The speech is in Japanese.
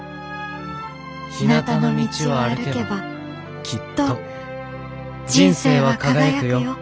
ひなたの道を歩けばきっと人生は輝くよ。